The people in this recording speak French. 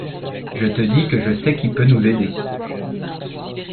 Je te dis que je sais qui peut nous aider.